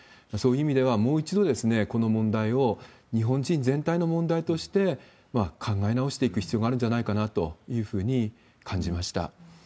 そういう意味では、もう一度この問題を、日本人全体の問題として考え直していく必要があるんじゃないかなというふうに感じました。